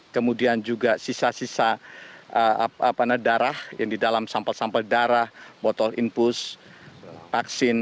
kemudian juga sisa sisa darah yang di dalam sampel sampel darah botol infus vaksin